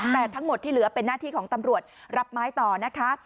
แต่ทั้งหมดที่เหลือเป็นหน้าที่ของตำรวจรับไม้ต่อนะคะ